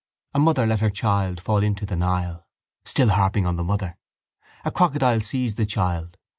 A mother let her child fall into the Nile. Still harping on the mother. A crocodile seized the child.